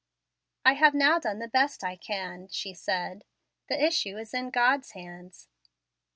"I have now done the best I can," she said. "The issue is in God's hands."